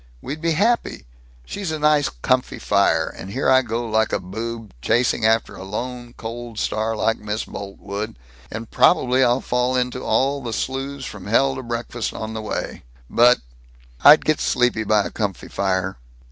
We'd be happy. She's a nice comfy fire, and here I go like a boob, chasing after a lone, cold star like Miss Boltwood, and probably I'll fall into all the slews from hell to breakfast on the way. But I'd get sleepy by a comfy fire."